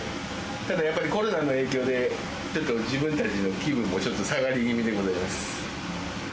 ただやっぱり、コロナの影響で、ちょっと自分たちの気分もちょっと下がり気味でございます。